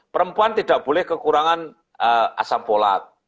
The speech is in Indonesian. perempuan tidak boleh kekurangan asam polat